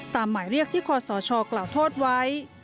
ตามหมายเรียกที่ขอสอชอบกล่าวโทษไว้